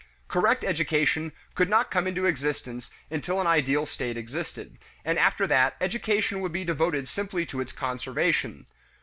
Correct education could not come into existence until an ideal state existed, and after that education would be devoted simply to its conservation.